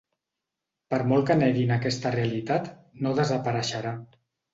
Per molt que neguin aquesta realitat, no desapareixerà.